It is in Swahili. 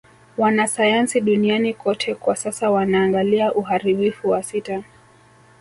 Wanasayansi duniani kote kwa sasa wanaangalia uharibifu wa sita